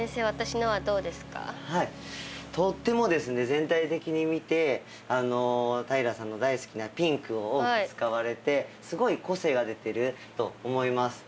全体的に見て平さんの大好きなピンクを多く使われてすごい個性が出てると思います。